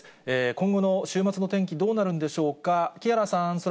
今後の週末の天気、どうなるんでしょうか。